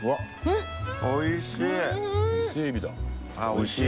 おいしい！